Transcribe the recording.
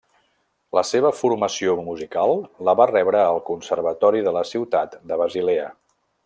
La seva formació musical la va rebre al Conservatori de la ciutat de Basilea.